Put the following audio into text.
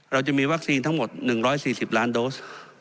เราจะมีวัคซีนทั้งหมด๑๔๐ล้านโดส